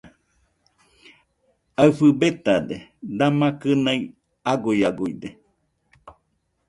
Aɨfɨ betade, dama kɨnaɨ aguiaguide.